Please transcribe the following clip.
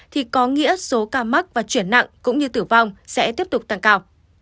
thì có nghĩa số ca mắc và chuyển nặng cũng như tử vong sẽ tiếp tục tăng cao